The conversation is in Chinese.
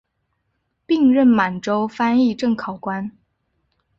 并任满洲翻译正考官。